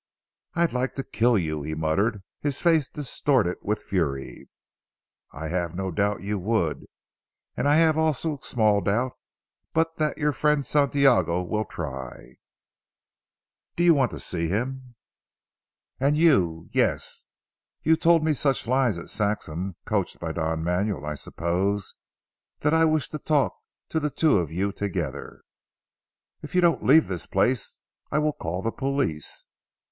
"I'd like to kill you," he muttered, his face distorted with fury. "I have no doubt you would, and I have also small doubt but that your friend Santiago will try." "Do you want to see him?" "And you. Yes. You told me such lies at Saxham, coached by Don Manuel I suppose, that I wish to talk to the two of you together." "If you don't leave this place I will call the police."